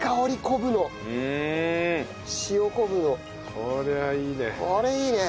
これはいいね。